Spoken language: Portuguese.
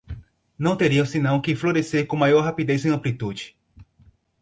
não teriam senão que florescer com maior rapidez e amplitude